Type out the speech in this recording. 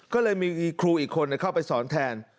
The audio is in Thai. ก็เลยมีครูอีกคนเข้าไปสอนแทน